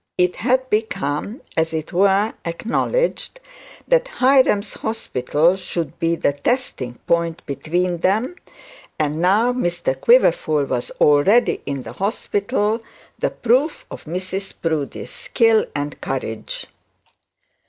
It had become, as it were, acknowledged that Hiram's hospital should be the testing point between them, and now Mr Quiverful was already in the hospital, the proof of Mrs Proudie's skill and courage.